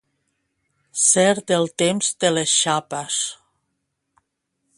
Ser del temps de les xapes.